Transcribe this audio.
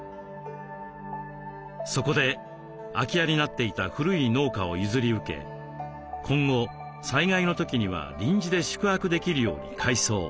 そこで空き家になっていた古い農家を譲り受け今後災害の時には臨時で宿泊できるように改装。